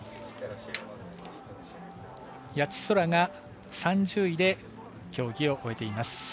谷地宙が３０位で競技を終えています。